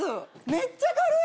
めっちゃ軽い！